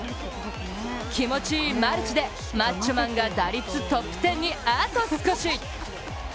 気持ちいいマルチで、マッチョマンが打率トップテンにあと少し！